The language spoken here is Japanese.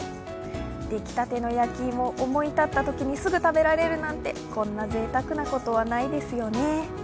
出来たての焼き芋、思い立ったときにすぐ食べられるなんてこんなぜいたくなことはないですよね。